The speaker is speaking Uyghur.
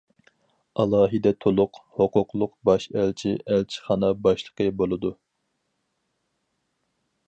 ئالاھىدە تولۇق ھوقۇقلۇق باش ئەلچى ئەلچىخانا باشلىقى بولىدۇ.